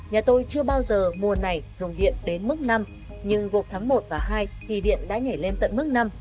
nhà tôi chưa bao giờ mùa này dùng điện đến mức năm nhưng gộp tháng một và hai thì điện đã nhảy lên tận mức năm